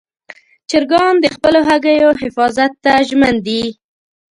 چرګان د خپلو هګیو حفاظت ته ژمن دي.